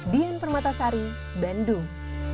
dian permatasari bandung